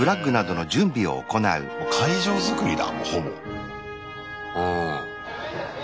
もう会場づくりだほぼ。